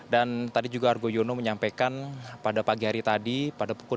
dan tadi juga argo yono menyampaikan pada pagi hari tadi pada pukul delapan tiga puluh